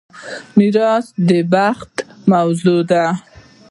میراث بخت موضوع ده.